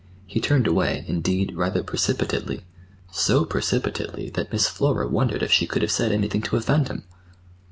He turned away, indeed, rather precipitately—so precipitately that Miss Flora wondered if she could have said anything to offend him.